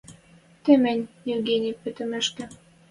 Тымень, Евгений, пӹтӹмешкӹ